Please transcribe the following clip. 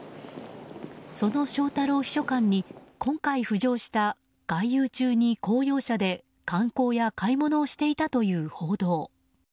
その翔太郎秘書官に今回浮上した外遊中に公用車で観光や買い物をしていたという報道。